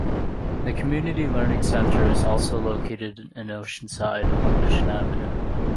The Community Learning Center is also located in Oceanside, on Mission Avenue.